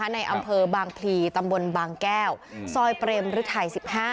ในอำเภอบางพลีตำบลบางแก้วซอยเปรมฤทัย๑๕